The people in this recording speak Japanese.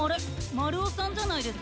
まるおさんじゃないですか？